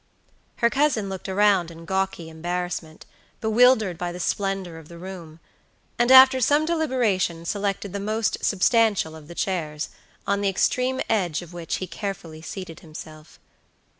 Her cousin looked around in gawky embarrassment, bewildered by the splendor of the room; and after some deliberation selected the most substantial of the chairs, on the extreme edge of which he carefully seated himself.